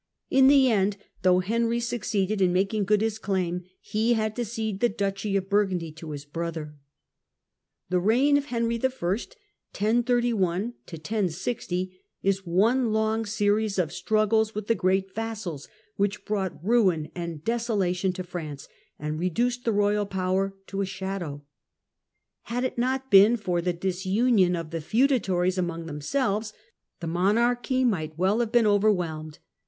In the end, though Henry succeeded in making good his claim, he had to cede the duchy of Burgundy to his brother. The reign of Henry T. is one long series of struggles ^^^q^^j with the great vassals, which brought ruin and desolation to France, and reduced the royal power to a shadow. Had it not been for the disunion of the feudatories among themselves, the monarchy might well have been over whelmed.